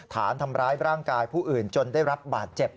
ฐานทำร้ายร่างกายผู้อื่นจนได้รับบาดเจ็บ